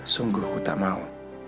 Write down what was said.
sungguh ku tak mau